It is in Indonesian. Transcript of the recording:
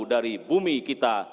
dari bumi kita